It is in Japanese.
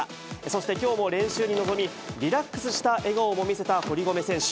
そして、きょうも練習に臨み、リラックスした笑顔も見せた堀米選手。